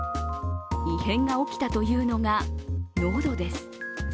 異変が起きたというのが、喉です。